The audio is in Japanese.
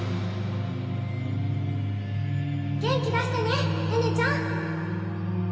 元気出してね寧々ちゃん！